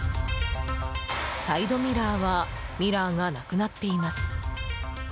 サイドミラーはミラーがなくなっています。